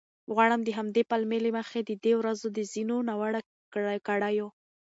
غواړم د همدې پلمې له مخې د دې ورځو د ځینو ناوړه کړیو